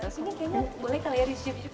ini kayaknya boleh kali ya di shift